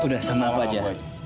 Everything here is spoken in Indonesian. udah sama apa aja